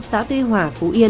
xã tuy hòa phú yên